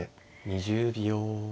２０秒。